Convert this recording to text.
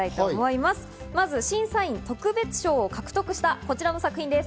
まず審査員特別賞を獲得したこちらです。